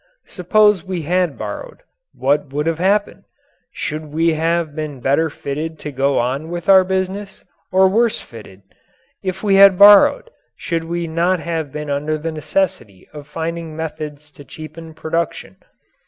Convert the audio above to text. Suppose we had borrowed, what would have happened? Should we have been better fitted to go on with our business? Or worse fitted? If we had borrowed we should not have been under the necessity of finding methods to cheapen production.